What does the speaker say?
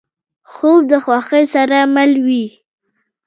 خوب د خوښۍ سره مل وي